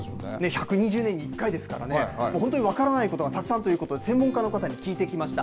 １２０年に一回ですからね、本当に分からないことがたくさんということで、専門家の方に聞いてきました。